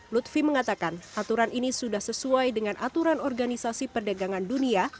lutfi mengatakan aturan ini sudah sesuai dengan aturan organisasi perdagangan dunia